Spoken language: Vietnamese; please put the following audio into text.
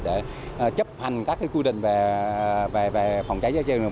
để chấp hành các quy định về phòng cháy chơi chơi